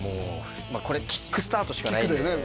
これキックスタートしかないんでキックだよね